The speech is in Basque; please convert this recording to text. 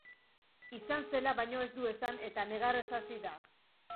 Izan zela baino ez du esan eta negarrez hasi da.